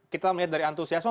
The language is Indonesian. kita melihat dari antusiasme